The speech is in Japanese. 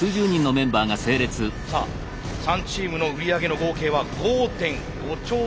さあ３チームの売り上げの合計は５．５兆円を超えています。